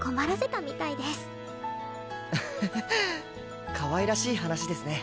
アハハかわいらしい話ですね。